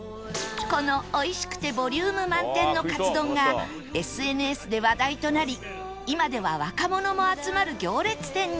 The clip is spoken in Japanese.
このおいしくてボリューム満点のかつ丼が ＳＮＳ で話題となり今では若者も集まる行列店に